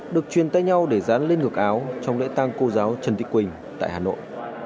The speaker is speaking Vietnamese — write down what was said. được truyền tay nhau để dán lên ngược áo trong lễ tang cô giáo trần thị quỳnh tại hà nội